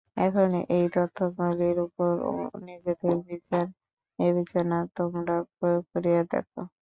এখন এই তথ্যগুলির উপর নিজেদের বিচার-বিবেচনা তোমরা প্রয়োগ করিয়া দেখ।